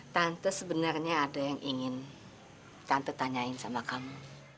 tante sebenarnya ada yang ingin tante tanyain sama kamu